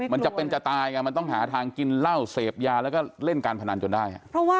มันจะเป็นจะตายไงมันต้องหาทางกินเหล้าเสพยาแล้วก็เล่นการพนันจนได้